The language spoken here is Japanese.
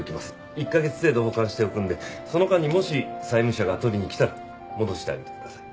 １カ月程度保管しておくのでその間にもし債務者が取りに来たら戻してあげてください。